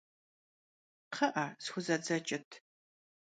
Kxhı'e, sxuezedzeç'ıt!